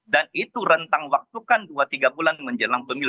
dan itu rentang waktu kan dua tiga bulan menjelang pemilu